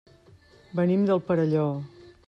Venim del Perelló.